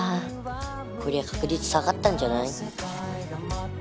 こりゃ確率下がったんじゃない？